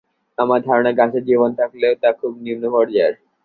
আমার ধারণা, গাছের জীবন থাকলেও তা খুব নিম্ন পর্যায়ের।